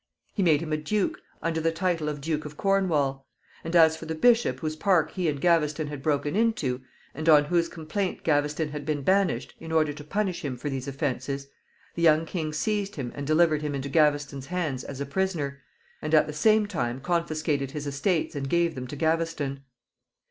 He made him a duke, under the title of Duke of Cornwall; and as for the bishop whose park he and Gaveston had broken into, and on whose complaint Gaveston had been banished, in order to punish him for these offenses, the young king seized him and delivered him into Gaveston's hands as a prisoner, and at the same time confiscated his estates and gave them to Gaveston.